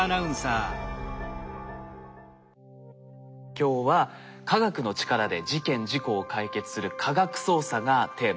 今日は科学の力で事件事故を解決する科学捜査がテーマです。